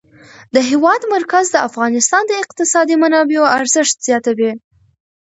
د هېواد مرکز د افغانستان د اقتصادي منابعو ارزښت زیاتوي.